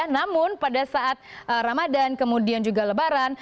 namun pada saat ramadhan kemudian juga lebaran